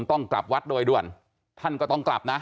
ต้องกลับวัดโดยด่วนท่านก็ต้องกลับนะ